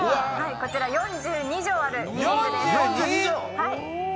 こちら４２畳あるリビングです。